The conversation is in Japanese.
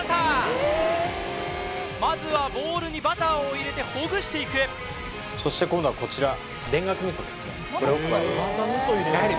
まずはボウルにバターを入れてほぐしていくそして今度はこちら田楽味噌ですね